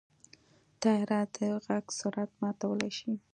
طیاره د غږ سرعت ماتولی شي.